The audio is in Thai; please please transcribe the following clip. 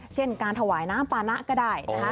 เช่นการถวายน้ำปานะก็ได้นะคะ